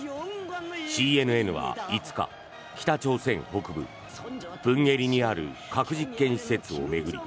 ＣＮＮは５日北朝鮮北部プンゲリにある核実験施設を巡り